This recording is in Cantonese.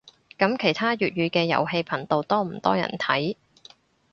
噉其他粵語嘅遊戲頻道多唔多人睇